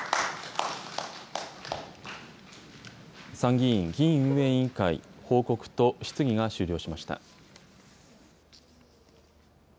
参議院議院運営委員会、報告と質疑が終了しました。